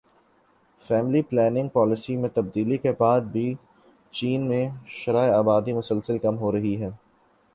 family planning policy میں تبدیلی کے بعد بھی چین میں شرح آبادی مسلسل کم ہو رہی ہے